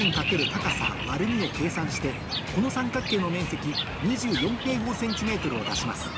高さ÷２を計算してこの三角形の面積２４ｃｍを出します